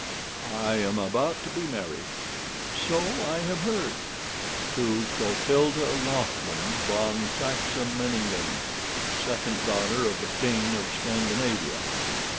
"I am about to be married." "So I have heard." "To Clotilde Lothman von Saxe Meiningen, second daughter of the King of Scandinavia.